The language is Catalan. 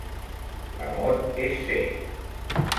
L'amor és cec